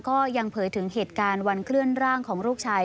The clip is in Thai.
ก็ยังเผยถึงเหตุการณ์วันเคลื่อนร่างของลูกชาย